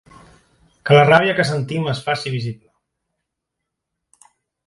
Que la ràbia que sentim es faci visible.